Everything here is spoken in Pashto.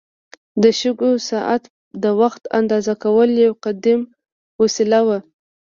د شګو ساعت د وخت اندازه کولو یو قدیم وسیله وه.